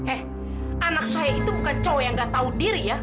eh anak saya itu bukan cowok yang gak tahu diri ya